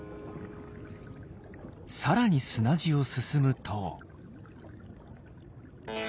さらに砂地を進むと。